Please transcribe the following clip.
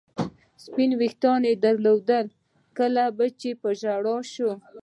سپین وریښتان یې درلودل، کله به چې په ژړا شوه.